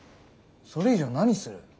それ以上何する？